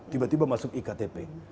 tiba tiba masuk iktp